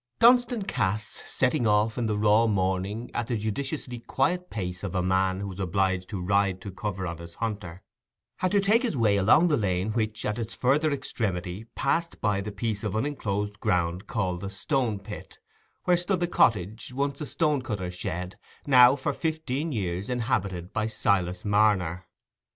Dunstan Cass, setting off in the raw morning, at the judiciously quiet pace of a man who is obliged to ride to cover on his hunter, had to take his way along the lane which, at its farther extremity, passed by the piece of unenclosed ground called the Stone pit, where stood the cottage, once a stone cutter's shed, now for fifteen years inhabited by Silas Marner.